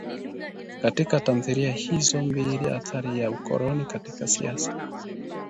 Katika tamthilia hizo mbili athari ya ukoloni katika siasa